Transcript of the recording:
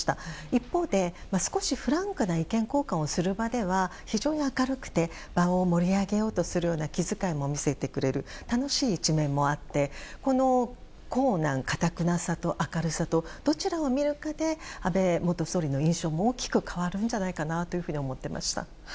一方で、少しフランクな意見交換をする場では非常に明るくて場を盛り上げようとするような気遣いも見せてくれる楽しい一面もあってこの硬軟、かたくなさと明るさとどちらを見るかで安倍元総理の印象も大きく変わるんじゃないかなと思っていました。